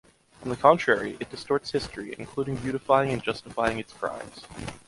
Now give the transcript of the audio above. On the contrary, it distorts history, including beautifying and justifying its crimes.